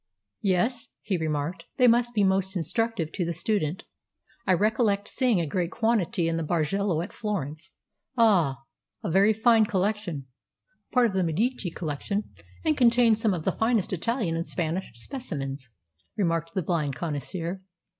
"Yes," he remarked, "they must be most instructive to the student. I recollect seeing a great quantity in the Bargello at Florence." "Ah, a very fine collection part of the Medici collection, and contains some of the finest Italian and Spanish specimens," remarked the blind connoisseur.